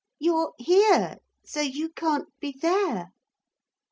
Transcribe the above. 'You're here. So you can't be there.'